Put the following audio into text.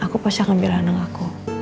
aku pasti akan beli anak aku